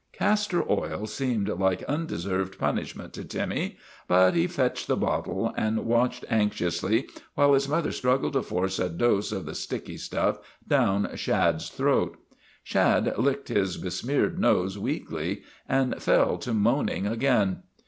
Castor oil seemed like undeserved punishment 206 THE REGENERATION OF TIMMY to Timmy, but he fetched the bottle and watched anxiously while his mother struggled to force a dose of the sticky stuff down Shad's throat. Shad licked his besmeared nose weakly and fell to moaning again.